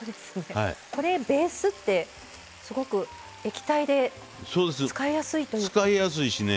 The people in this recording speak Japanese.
これベースってすごく液体で使いやすいですね。